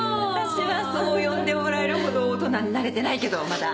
私はそう呼んでもらえるほど大人になれてないけどまだ。